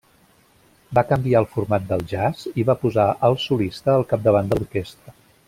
Va canviar el format del jazz i va posar al solista al capdavant de l'orquestra.